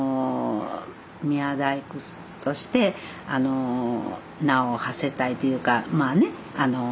宮大工として名をはせたいというかまあね